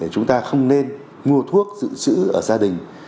chúng ta không nên mua thuốc dự trữ ở gia đình